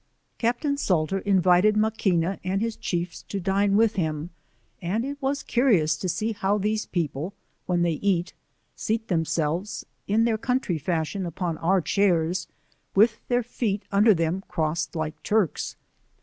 Caj^tain Salter invited Maquina and his chiefs to dine with him, and it was curious to see how these people (when they eat) seat themselves (in their country fashion, upon our chairs) with their feet under them crossed like Turks.